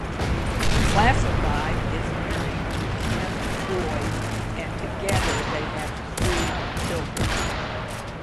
Classified is married to Kim Boyd and together, they have three children.